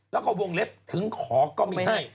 แล้วก็วงเล็บถึงขอก็มีให้